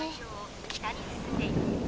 北に進んでいます。